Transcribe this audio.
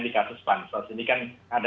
di kasus pansos ini kan ada